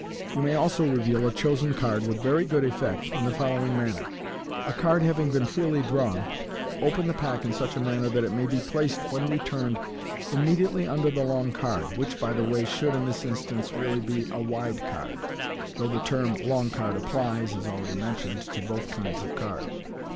You may also reveal a chosen card with very good effect in the MODERN MAGIC following manner: A card having been freely drawn, open the pack in such manner that it may be placed, when returned, immediately under the long card, which, by the way, should in this instance really be a wide card, though the term " long card " applies, as already men tioned, to both kinds of card.